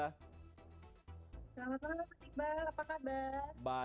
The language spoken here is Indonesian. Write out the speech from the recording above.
selamat malam pak timbal apa kabar